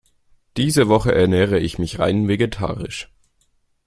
Diese Woche ernähre ich mich rein vegetarisch.